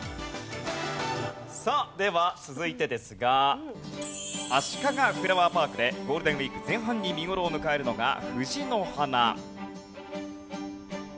さあでは続いてですがあしかがフラワーパークでゴールデンウィーク前半に見頃を迎えるのが藤の花。